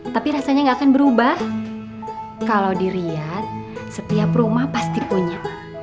tapi rasanya nggak akan berubah kalau di riat setiap rumah pasti punya